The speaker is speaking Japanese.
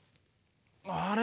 あれ？